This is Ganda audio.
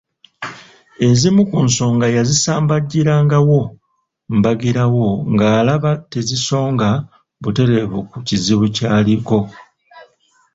Ezimu ku nsonga yazisambajjirangawo mbagirawo ng’alaba tezisonga butereevu ku kizibu ky’aliko.